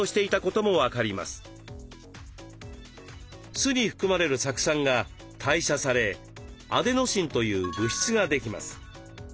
酢に含まれる酢酸が代謝されアデノシンという物質ができます。